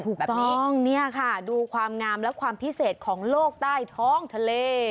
ถูกต้องเนี่ยค่ะดูความงามและความพิเศษของโลกใต้ท้องทะเล